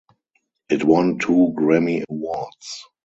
It won two Grammy Awards.